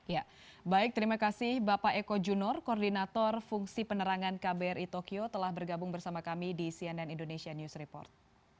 ya baik terima kasih bapak eko junor koordinator fungsi penerangan kbri tokyo telah bergabung bersama kami di cnn indonesia news report